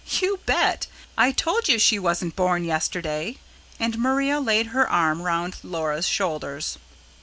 "You bet! I told you she wasn't born yesterday." And Maria laid her arm round Laura's shoulders.